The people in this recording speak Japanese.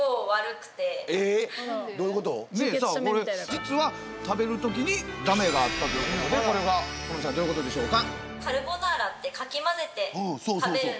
実は食べる時にだめがあったということでこれがＮｏ．５７３さんどういうことでしょうか？